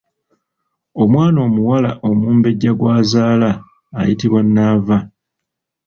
Omwana omuwala omumbejja gw’azaala ayitibwa Nnaava.